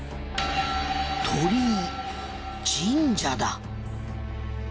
鳥居神社だ。